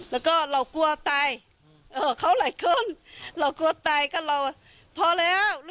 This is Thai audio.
แล้วรู้สึกว่าเม้เข้าบ้านนะไม่กลัวเหรอ